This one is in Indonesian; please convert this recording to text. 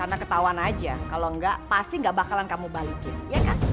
karena ketauan aja kalau enggak pasti gak bakalan kamu balikin iya kan